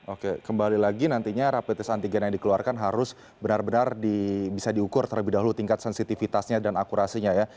oke kembali lagi nantinya rapid test antigen yang dikeluarkan harus benar benar bisa diukur terlebih dahulu tingkat sensitivitasnya dan akurasinya ya